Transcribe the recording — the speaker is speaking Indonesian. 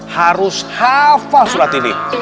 harus hafal surat ini